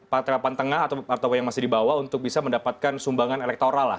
partai lepantengah atau partai yang masih dibawa untuk bisa mendapatkan sumbangan elektoral